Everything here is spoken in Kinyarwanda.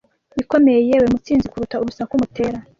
ikomeye yewe mutsinzi kuruta urusaku mutera